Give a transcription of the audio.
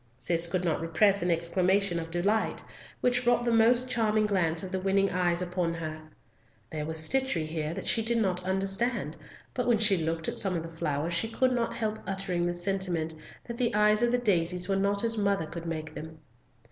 Cis could not repress an exclamation of delight, which brought the most charming glance of the winning eyes upon her. There was stitchery here that she did not understand, but when she looked at some of the flowers, she could not help uttering the sentiment that the eyes of the daisies were not as mother could make them.